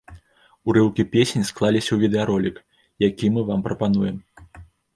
Урыўкі песень склаліся ў відэаролік, які мы вам прапануем.